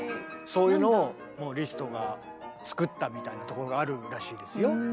そういうのをもうリストが作ったみたいなところがあるらしいですよ。